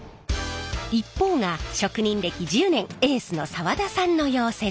一方が職人歴１０年エースの澤田さんの溶接。